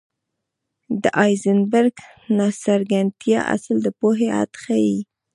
د هایزنبرګ ناڅرګندتیا اصل د پوهې حد ښيي.